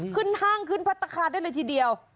ห้างขึ้นพัฒนาคารได้เลยทีเดียว